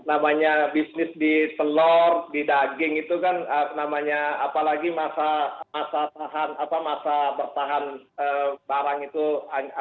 namanya bisnis di telur di daging itu kan namanya apalagi masa bertahan barang itu